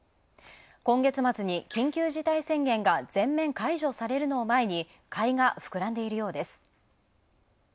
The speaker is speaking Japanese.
今月末に緊急事態宣言が全面解除されるのを前に、買いが膨らんでいるようです。